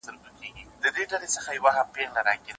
لړۍ د اوښکو ګريوانه ته تلله